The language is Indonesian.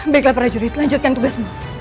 begla prajurit lanjutkan tugasmu